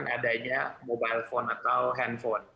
adanya mobile phone atau handphone